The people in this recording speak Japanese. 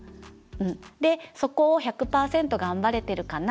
でそこを１００％頑張れてるかな？